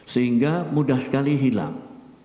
sehingga mudah sekali hilang